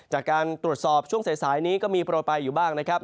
จากการตรวจสอบช่วงสายนี้ก็มีโปรไฟล์อยู่บ้างนะครับ